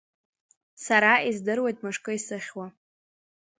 Сара издыруеит, мышкы исыхьуа…